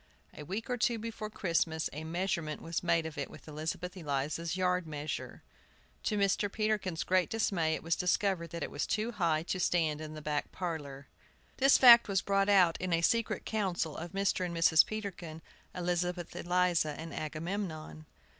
A week or two before Christmas a measurement was made of it with Elizabeth Eliza's yard measure. To Mr. Peterkin's great dismay it was discovered that it was too high to stand in the back parlor. This fact was brought out at a secret council of Mr. and Mrs. Peterkin, Elizabeth Eliza, and Agamemnon.